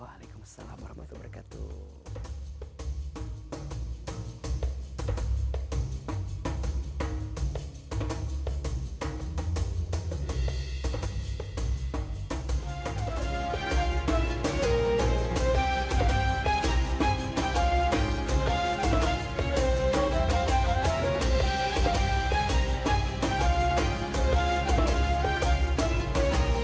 wassalamualaikum warahmatullahi wabarakatuh